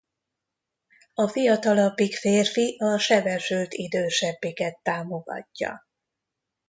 A fiatalabbik férfi a sebesült idősebbiket támogatja.